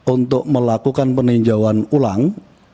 untuk melakukan peninjauan ulang